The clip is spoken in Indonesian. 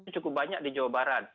cukup banyak di jawa barat